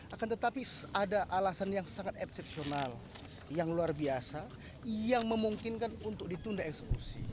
akan tetapi ada alasan yang sangat eksepsional yang luar biasa yang memungkinkan untuk ditunda eksekusi